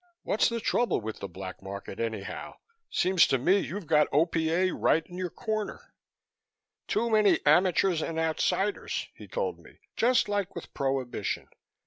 What's the trouble with the black market, anyhow? Seems to me you've got O.P.A. right in your corner." "Too many amateurs and outsiders," he told me, "just like with Prohibition.